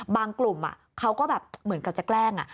บางกลุ่มเขาก็เหมือนกับจะแกล้ง